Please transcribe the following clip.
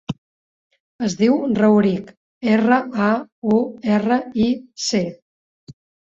Es diu Rauric: erra, a, u, erra, i, ce.